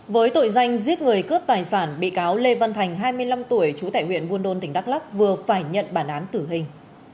với tội danh giết người cướp tài sản bị cáo lê văn thành hai mươi năm tuổi trú tại huyện buôn đôn tỉnh đắk lắc vừa phải nhận bản án tử hình